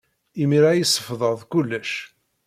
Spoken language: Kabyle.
Imir-a ay sefḍeɣ kullec.